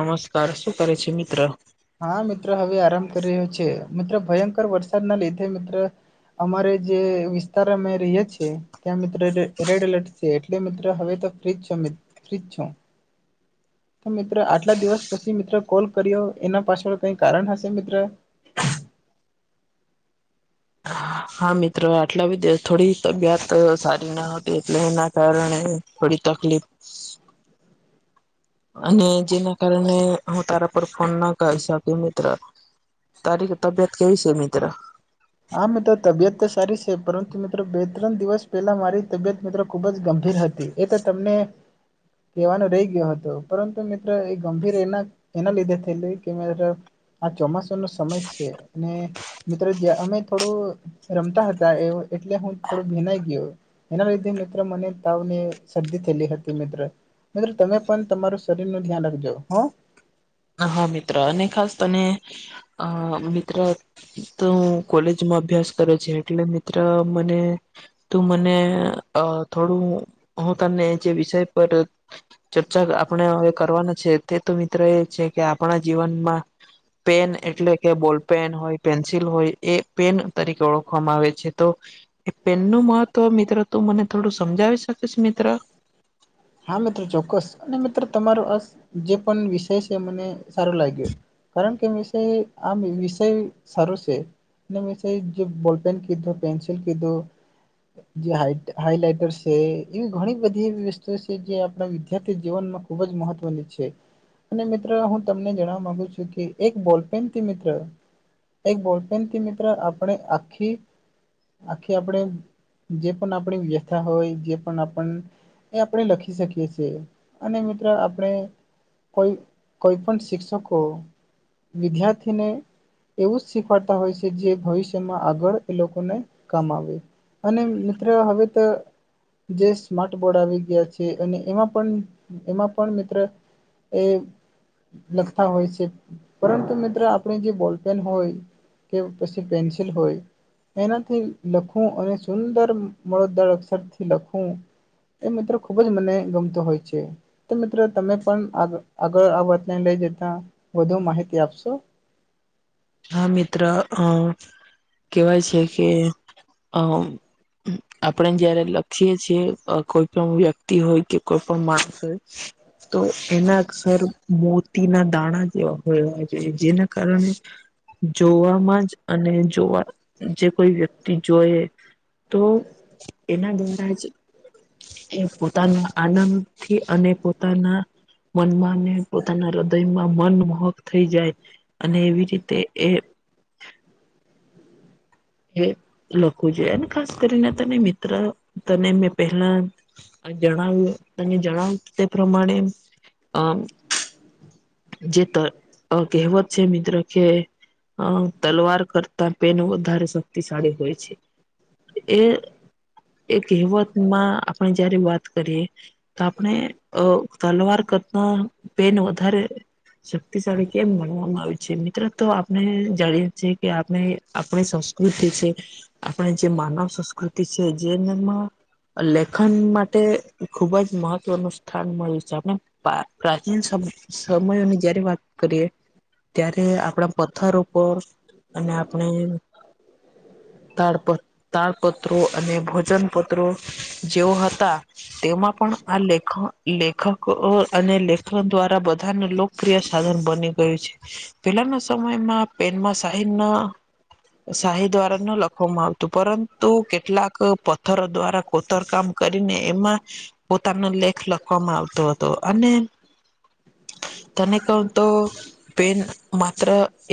નમસ્કાર શું કરે છે મિત્ર હા મિત્રો હવે આરામ કરી રહ્યો છે મિત્રો ભયંકર વરસાદના લીધે મિત્ર અમારે જે વિસ્તાર અમે રહીએ છીએ ત્યાં મિત્રો રેડ એલર્ટ છે એટલે મિત્રો હવે તો ફ્રીજ છો ફ્રીજ છું મિત્રો આટલા દિવસ પછી મિત્રો કોલ કર્યો એના પાછળ કઈ કારણ હશે મિત્ર હા મિત્રો આટલા બધી થોડી તબિયત સારી ના હતી એટલે એના કારણે થોડી તકલીફ અને જેના કારણે હું તારા પર ફોન ના કરી શકી મિત્ર તારી તબિયત કેવી છે મિત્ર હા મિત્રો તબિયત તો સારી છે પરંતુ મિત્રો બે ત્રણ દિવસ પહેલા મારી તબિયત મિત્રો ખૂબ જ ગંભીર હતી એ તો તમને કહેવાનું રહી ગયો હતો પરંતુ મિત્ર એ ગંભીર એના એના લીધે થયેલી કે આ ચોમાસું નો સમય છે અને મિત્રો જે અમે થોડું રમતા હતા એવું એટલે હું થોડો ભીનાઈ ગયો એના લીધે મિત્ર મને તાવને શરદી થયેલી હતી મિત્ર મિત્રો તમે પણ તમારું શરીર નું ધ્યાન રાખજો હો હા, મિત્ર અને ખાસ તને અ મિત્ર તો કોલેજમાં અભ્યાસ કરે છે એટલે મિત્ર મને તું મને અ થોડું, હું તને જે વિષય પર ચર્ચા આપણે હવે કરવાના છે તે તો મિત્ર એ છે કે આપણાજ જીવનમાં પેન એટલે કે બોલ પેન હોય, પેન્સિલ હોય એ પેન તરીકે ઓળખવામાં આવે છે તો એ પેન નું મહત્વ મિત્રો તો મને થોડું સમજાવી શકીશ મિત્ર હા, મિત્રો ચોક્કસ અને મિત્રો તમારો આ જે પણ વિષય છે મને સારો લાગ્યો કારણ કે વિષય આમ વિષય સારો સે એના વિશે જે બોલ પેન કીધો, પેન્સિ કીધો જે હાઈ હાઈલાઈટર છે એવી ઘણી બધી જે આપણા વિદ્યાર્થી જીવનમાં ખુબ જ મહત્વની છે અને મિત્ર હું તમને જણાવા માગુ છું કે એક બોલપેનથી મિત્ર એક બોલપેથી મિત્ર આપણે આખી આખી આપણે જે પણ આપણી વ્યથા હોય જે પણ આપણ એ આપણે લખી શકીએ છીએ અને મિત્રો આપણે કોઈ, કોઈ પણ શિક્ષકો વિદ્યાર્થીને એવું જ શીખવાડતા હોય છે જે ભવિષ્યમાં આગળ એ લોકોને કામ આવે અને મિત્ર હવે તો જે સ્માર્ટ બોર્ડ આવી ગ્યો છે અને એમાં પણ એમાં પણ મિત્ર એ લખતા હોય છે પરંતુ મિત્રો આપણે જે બોલપેન હોય કે પછી પેન્સિલ હોય એનાથી લખવું અને સુંદર મળદળ અક્ષરથી લખવુ એ મિત્રો ખુબ જ મને ગમતો હોય છે તો મિત્રો તમે પણ આ આગળ આ વાતને લઈ જતા વધુ માહિતી આપશો? હા, મિત્ર અ કેવાય છે કે અ આપણે જયારે લખીએ છીએ કોઈ પણ વ્યક્તિ હોય કે કોઈ પણ માણસ હોય તો એના અક્ષર મોતીના દાણા જેવા હોયજેવા જોઈએ જેના કારણે જોવામાં જ અને જોવા જે કોઈ વ્યક્તિ જોએ તો એના દ્વારા જ એ પોતાના આનંદથી અને પોતાના મનમાંને પોતાના હૃદયમાં મન મોહક થઈ જાય અને એવી રીતે એ એ લખવું જોઈએ અને ખાસ કરીને તને મિત્ર, તને મેં પહેલા આ જણાવુ તને જણાવ તે પ્રમાણે અ જે કહેવત છે મિત્ર કે અ તલવાર કર પહેન વધારે શક્તિશાળી હોય છે એ એ કહેવતમાં આપણે જયારે વાત કરીએ તો આપણે અ તલવાર કરતા પેન વધારે શક્તિશાળી કેમ માનવામાં આવે છે, મિત્રો તો આપણે જાણીએ છીએ કે આપણે આપણી સંસ્કૃતિ છે, આપણે જે માનવ સં કૃતિ છે જેનમાં લેખન માટે એ ખુબ જ મહત્વનું સ્થાન મળે છે, આપને પ્રાચીન સમ સમયની જયારે વાત કરીએ ત્યારે આપણા પથ્થર ઉપર અને આપણે તાપ, તાડપત્રો અને ભોજન પત્ર. મિત્રો, જેઓ હતા, તેમાં પણ આ લેખ, લેખકો અને લેખન દ્વારા બધા લોકપ્રિય સાધન બની ગયું છે. પેલાના સમયમાં પેનમાં સાહીર ના. શાહી દ્વારા ન લખવામાં આવતું, પરંતુ કેટલાક પથ્થરો દ્વારા કોતર કામ કરીને, એમાં પોતાનો લેખ લખવામાં આવતો હતો. અને તને ક તો, પેન માત્ર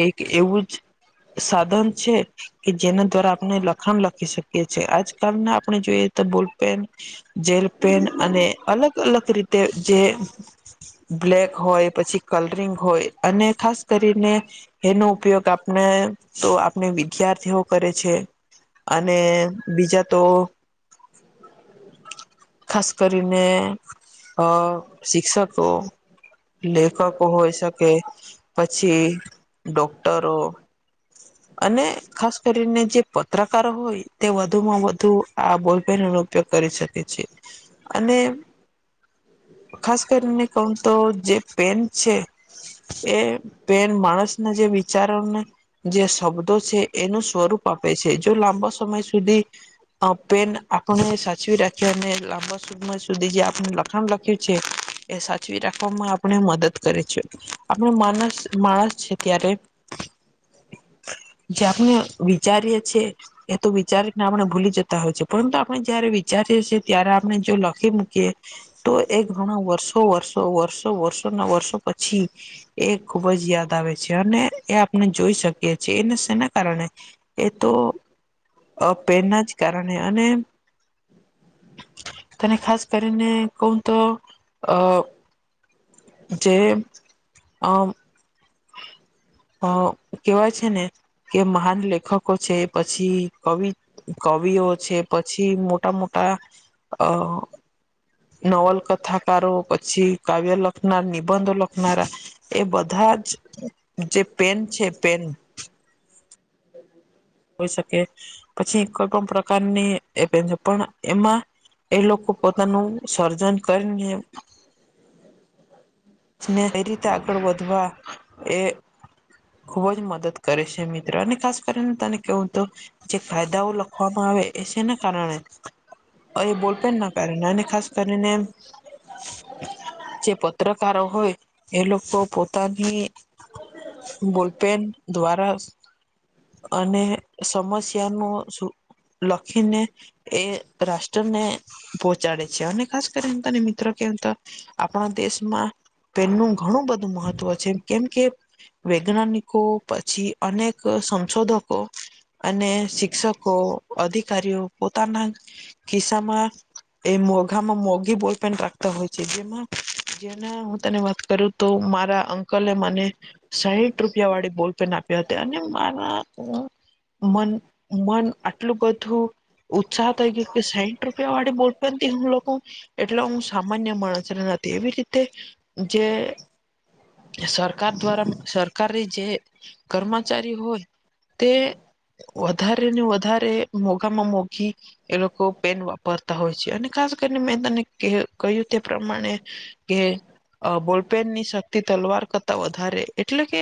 એક એવું જ સાધન છે. કે જેના દ્વારા આપણે લખાણ લખી શકીએ છીએ. આજકાલના, આપણે જોઈએ તો, બોલપેન. જેલ પેન અને અલગ-અલગ રીતે જે બ્લેક હોય, પછી કલરિંગ હોય અને ખાસ કરીને. એનો ઉપયોગ આપણે તો આપણે વિદ્યાર્થીઓ કરે છે. અને બીજા તો ખાસ કરીને, અ શિક્ષકો લેખકો હોય શકે, પછી ડોક્ટરો હ. અને ખાસ કરીને, જે પત્રકારો હોય, તે વધુમાં વધુ આ બોલપેન ઉપયોગ કરી શકે છે. અને ખાસ કરીને તો જે પેન છે, એ પેન માણસના જે વિચારોને જે શબ્દો છે, એનું સ્વરૂપ આપે છે. જો લાંબો સમય સુધી અ પેન આપણને સાચવી રાખી અને લાંબા સમય સુધી જે આપને લ લખ્યું છે, એ સા જે રાખવામાં આપણે મદદ કરે છે. આપણ માણસ માણસ છે ત્યારે જે આપને વિચારીએ એ તો વિચાર. આપણે ભૂલી જતા હોય છે, પરંતુ આપણે જયારે વિચારી છીએ, ત્યારે આપણે જો લખી મુૂકીએ. તો એ ઘણાો વર્ષો, વર્ષો, વર્ષો, વર્ષો ના વર્ષો પછી એ ખુબ જ યાદ આવે છે, અને એ આપણે જોઈ શકીએ છીએ. એનના કારણે એ તો પેનના જ કારણે અને તને ખાસ કરીને કું તો અ જે અ કેહેવાય છે ને કે મહાન લેખકો છે, પછી કવિ કવિઓ છે, પછી મોટા-મોટા અ નોવલ કથાકારો, પછી કાવ્ય લખનાર, નિબંધો લખનારા એ બધા જે, પેન છે પેન. હોઈ શકે. પછી કોઈ પણ પ્રકારની એ પેન છે, પણ એમાં એ લોકો પોતાનું સર્જન કરીને. ને એ રીતે આગળ વધવા એ ખુબ જ મદદ કરે છે, મિત્રો. અને ખાસ કરીને, તને કેવું તો જે કાયદાઓ લખવા. વામાં આવે, ના કારણે એ બોલપેન ના કારણે. અને ખાસ કરીને જે પત્રકારો હોય, એ લોકો પોતાની બોલપેન દ્વારા અને સમસ્યા નું લખીને એ રાષ્ટ્ર ને પો ચડે છે. અને ખાસ કરી હ, તને મિત્રો, ક તો આપણા દેશમાં પેનનું ઘણું બધું મહત્વ છે, કેમ કે વૈજ્ઞાનિકો પછી અનેક સંશોધકો. અને શિક્ષકો, અધિકારીઓ પોતાના કિસ્સામાં. એ મોઘામાં મોઘી બોલપેન રાખતા હોય છે, જેમાં જેના હું તને વાત કરું. તો મારા અંકલે મને સાહીઠ રૂપિયા વાળી બોલ આપ્યા હતા, અને મારા મ મન આટલું બધું ઉત્સાહ તગ કે સેન્ટ્ર ર વાળી બોલ હું લોકો એટલે હું સામાન્ય માણસ ને નથી એવી રીતે જે સરકાર દ્વારા સરકારી જે કર્મચારી હોય તે વધારે ને વધારે મોઘામાં મોઘી એ લોકો પેન વાપરતા હોય છે અને ખાસ કરીને મેં તને કહ્યું તે પ્રમાણે કે બોલપેન ની શક્તિ તલવાર કરતા વધારે એટલે કે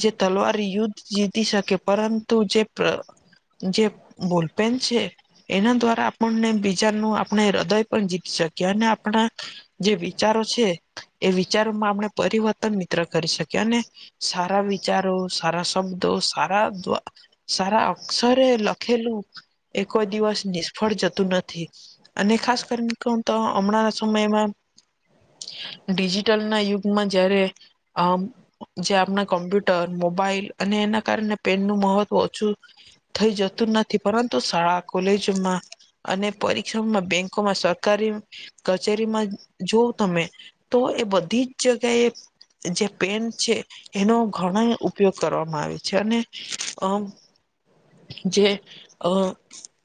જે તલવારી યુદ્ધ જીતી શકે પરંતુ જે જે બોલપન છે એના દ્વારા આપણને બીજાનું આપણે હૃદય પણ જીતી શકીએ અને આપણા જે વિચારો છે એ વિચારોમાં આપણે પરિવર્તન મિત્ર કરી શકીએ કને સારા વિચારો સારા શબ્દો સારા દ સારા અક્ષરે લખેલું એ કોઈ દિવસ નિષ્ફળ જતું નથી અને ખાસ કરીને કહુ તો હમણાં ના સમયમાં ડિજિટલ ના યુગમાં જયારે આ જે આપણા કમ્પ્યુટર મોબાઈલ અને એના કારણે પેનનું મહત્વ ઓછું થઈ જતું નથી પરંતુ શાળા કોલેજોમાં અને પરીક્ષ્રમમાં બેંકોમાં સરકારી કચેરીમાં જોવ તમે તો એ બધી જ જગ્યાએ એ જે પેન છે એનો ઘણો ઉપયોગ કરવામાં આવે છે અને અ જે અ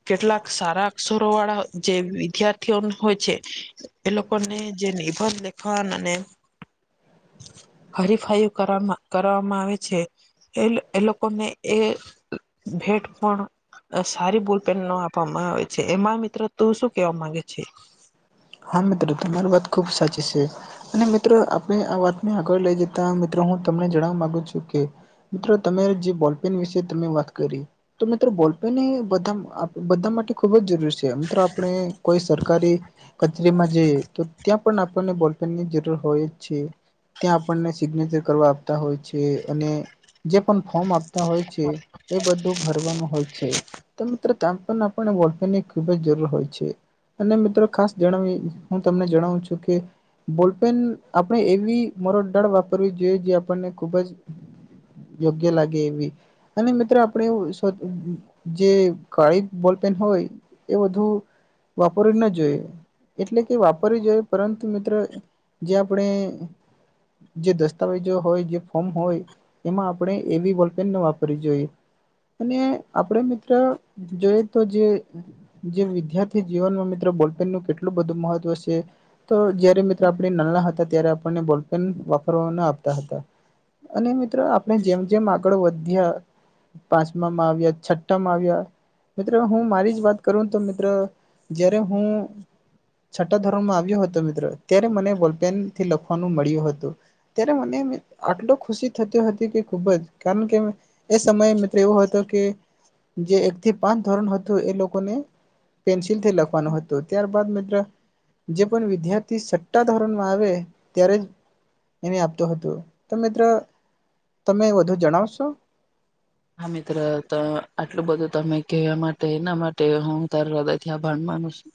કેટલાક સારા અક્ષરો વાળા જે વિદ્યાર્થીઓ હોય છે એ લોકો ને જે નિર્ભર લેખન અને હરીફાઈ કર કરવામાં આવે છે એ એ લોકોને એ ભેટ પણ સારી બોલપેન નો આપવામાં આવે છે એમાં મિત્રો તું શું કેવા માંગે છે હા મિત્રો તમારુ વાત ખુબ સાચી છે અને મિત્રો આપણે આ વાતને આગળ લઈ જતા મિત્રો હું તમને જણવા મામાંગુ છું કે મિત્રો તમારે જે બોલપેન વિશે તમે વાત કરી તો મિત્રો બોલ ને બધા બધા માટે ખુબ જ જરૂરી છે મિત્રો આપણે કોઈ સરકારી કચેરીમાં જઈ તો ત્યાં પણ આપણને બોલપેનની જરૂર હોય જ છે ત્યાં આપણને સિગ્નેચર કરવા આપતા હોય છે અને જે પણ ફોર્મ આપતા હોય છે એ બધું ભરવાનું હોય છે તો મિત્રો ત્યાં પણ આપને બોલપેન ની ખુબ જ જરૂર હોય છે અને મિત્રો ખાસ જણાવી હું તમને જણાવું છું કે બોલપેન આપણે એવી મરોડ દાર વાપરવી જોઈએ જે આપણને ખુબ જ યોગ્ય લાગે એવી અને મિત્રો આપડ જે કાળી બોલ પેન હોય એ બધું વાપરી ના જોઈએ એટલે કે વાપરવી જોઈએ પરંતુ મિત્રો જે આપણે જે દસ્તાવેજો હોય જે ફોર્મ હોય એમાં આપણે એવી બોલપેન ન વાપરવી જોઈએ અને આપડે મિત્ર જોઈ તો જે જે વિદ્યાર્થી જીવનમાં મિત્ર બોલપેન નું કેટલું એટલું બધું મહત્વ છે તો જયારે મિત્રો આપણે નના હતા ત્યારે આપણને બોલ વાપરવા ના આપતા હતા અને મિત્રો આપણે જેમ જેમ આગળ વધ્યા પાંચમામાં આવ્યા છઠ્ઠામાં આવ્યા મિત્ર હું મારી જ વાત કરું તો મિત્ર જયારે હું છઠ્ઠા ધોરણમાં આવ્યો હતો મિત્ર ત્યારે મને બોલપેન થી લખવાનું મળ્યું હતું ત્યારે મને આટલુ ખુશી થતી હતી કે ખુબ જ કારણ કે એ સમયે મિત્ર એવો હતો કે જે એક થી પાંચ ધોરણ હતું એ લોકોને પેન્સિલ થી લખવા હતો ત્યારબદ જે પણ વિદ્યાર્થી સટ્ટા ધોરણમાં આવે ત્યારે એને આપતું હતું તો મિત્રો તમે વધુ જણાવશો હા મિત્ર તો આટલું બધું તમે કેયુ એમાટે એના માટે હું તારો હૃદય થી આભાર માનું છું.